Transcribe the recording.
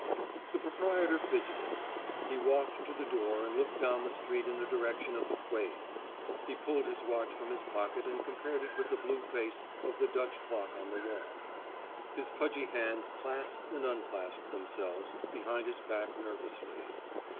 The proprietor fidgeted. He walked to the door and looked down the street in the direction of the quays. He pulled his watch from his pocket and compared it with the blue face of the Dutch clock on the wall. His pudgy hands clasped and unclasped themselves behind his back nervously.